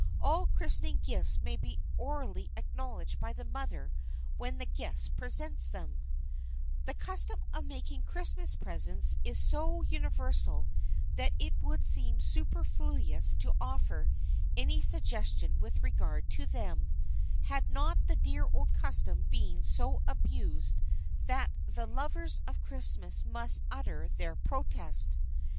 All christening gifts may be orally acknowledged by the mother when the guest presents them. [Sidenote: CHRISTMAS GIFTS] The custom of making Christmas presents is so universal that it would seem superfluous to offer any suggestion with regard to them, had not the dear old custom been so abused that the lovers of Christmas must utter their protest.